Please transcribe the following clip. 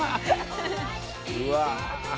うわ。